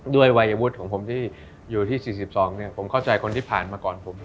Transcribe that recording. ด้วยวัยวุฒิของผมที่อยู่ที่๔๒ผมเข้าใจคนที่ผ่านมาก่อนผม